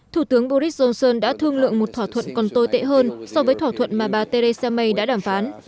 thủ tướng boris johnson đã thương lượng một thỏa thuận còn tồi tệ hơn so với thỏa thuận mà bà theresa may đã đàm phán